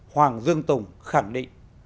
hoàng dương tùng khẳng định